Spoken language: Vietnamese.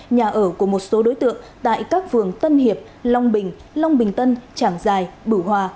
nhà ở của một số đối tượng tại các phường tân hiệp long bình long bình tân trảng giải bửu hòa